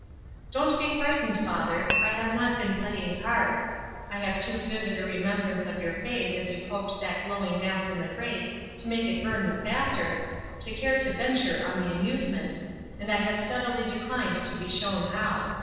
" Don't be frightened, father, I have not been playing cards. I have too vivid a remembrance of your face as you poked that glowing mass in the grate to make it burn the faster, to care to venture on the amusement, and I have steadily declined to be shown how.